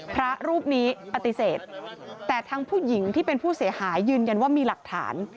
พระรูปนี้ปฏิเสธแต่ทั้งผู้หญิงที่เป็นผู้เสียหายยืนยันว่ามีหลักฐาน